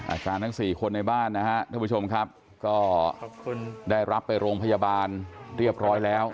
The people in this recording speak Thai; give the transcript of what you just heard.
ทั้งสี่คนในบ้านนะฮะท่านผู้ชมครับก็ได้รับไปโรงพยาบาลเรียบร้อยแล้ว